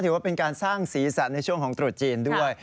ถือว่าเป็นการสร้างสีสันในช่วงของตรุษจีนด้วย